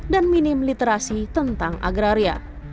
dan minim literasi tentang agraria